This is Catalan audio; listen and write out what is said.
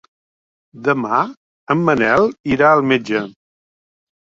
Demà en Manel irà al metge.